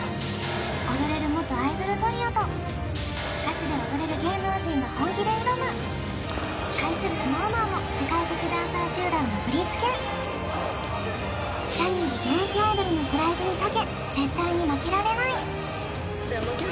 踊れる元アイドルトリオとガチで踊れる芸能人が本気で挑む対するＳｎｏｗＭａｎも世界的ダンサー集団が振付ジャニーズ現役アイドルのプライドにかけ絶対に負けられない！